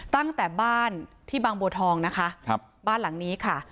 ตั้งแต่บ้านที่บางบัวทองนะคะครับบ้านหลังนี้ค่ะ